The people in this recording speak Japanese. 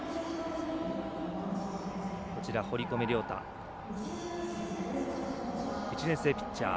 堀米涼太、１年生ピッチャー。